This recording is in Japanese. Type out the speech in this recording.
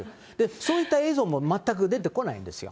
そういった映像も全く出てこないんですよ。